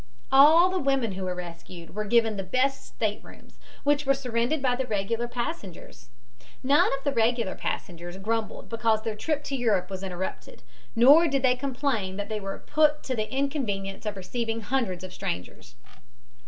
All the women who were rescued were given the best staterooms, which were surrendered by the regular passengers. None of the regular passengers grumbled because their trip to Europe was interrupted, nor did they complain that they were put to the inconvenience of receiving hundreds of strangers.